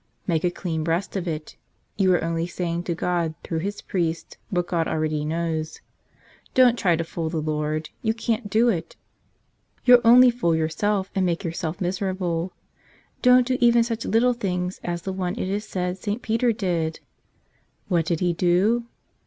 Make a clean breast of it; you are only saying to God through His priest what God already knows. Don't try to fool the Lord; you can't do it; you'll only fool yourself and make yourself miserable. Don't do even such little things as the one it is said St. Peter did. What did he do?